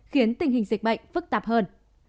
khiến tình hình dịch bệnh phức tạp hơn